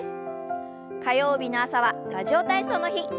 火曜日の朝は「ラジオ体操」の日。